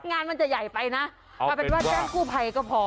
งานมันจะใหญ่ไปนะเอาเป็นว่าแจ้งกู้ภัยก็พอ